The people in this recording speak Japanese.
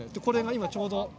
これが今ちょうど。